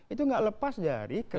itu nggak lepas dari